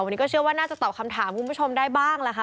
วันนี้ก็เชื่อว่าน่าจะตอบคำถามคุณผู้ชมได้บ้างล่ะค่ะ